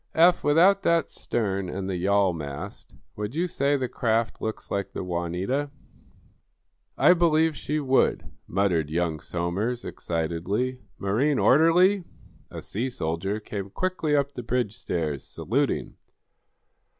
Eph, without that stern and the yawl mast, would you say the craft looks like the 'Juanita'?" "I believe she would," muttered young Somers, excitedly. "Marine orderly!" A sea soldier came quickly up the bridge stairs, saluting.